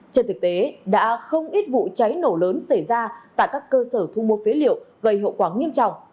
trên thực tế đã không ít vụ cháy nổ lớn xảy ra tại các cơ sở thu mua phế liệu gây hậu quả nghiêm trọng